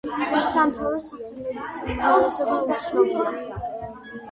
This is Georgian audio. სამთავროს სახელების უმრავლესობა უცნობია.